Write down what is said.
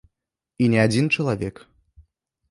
І не адзін чалавек.